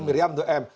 miriam itu m